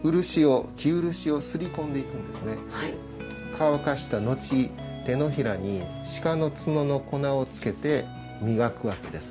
乾かした後手のひらに鹿の角の粉をつけて磨くわけです。